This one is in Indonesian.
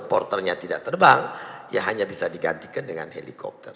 porternya tidak terbang ya hanya bisa digantikan dengan helikopter